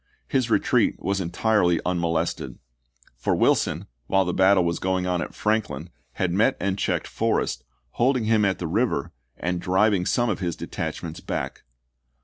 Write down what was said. His retreat was entirely un molested; for Wilson, while the battle was going 22 ABKAHAM LINCOLN chap. i. on at Franklin, had met and checked Forrest, holding him at the river and driving some of his detachments back.